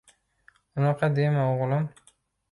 Unaqa dema o`g`lim